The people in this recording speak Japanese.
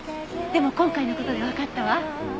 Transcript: でも今回の事でわかったわ。